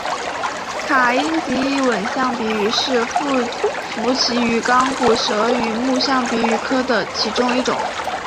卡因吉异吻象鼻鱼为辐鳍鱼纲骨舌鱼目象鼻鱼科的其中一种。